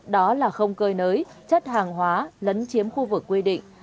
đó là không cơi nới chất hàng hóa lấn chiếm khu vực quy định